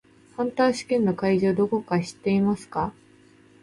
ハンター試験の会場どこか知っていますか？